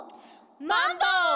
「マンボ！」